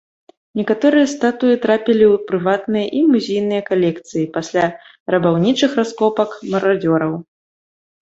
Некаторыя статуі трапілі ў прыватныя і музейныя калекцыі пасля рабаўнічых раскопак марадзёраў.